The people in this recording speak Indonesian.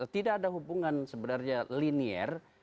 tidak ada hubungan sebenarnya linier